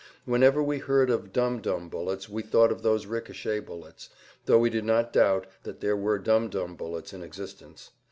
Whenever we heard of dum dum bullets we thought of those ricochet bullets, though we did not doubt that there were dum dum bullets in existence.